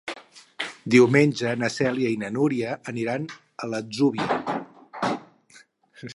Diumenge na Cèlia i na Núria aniran a l'Atzúbia.